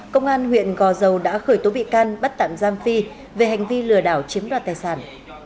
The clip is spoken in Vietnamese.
công an huyện gò dầu đã khởi tố bị can bắt tạm giam phi về hành vi lừa đảo chiếm đoạt tài sản